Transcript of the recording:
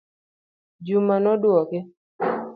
Juma nodwoke